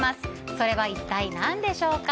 それは一体何でしょう。